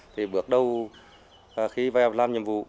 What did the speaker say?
thì bước đầu khi bài học làm nhiệm vụ